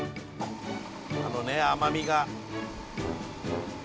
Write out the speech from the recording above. あのね甘みが。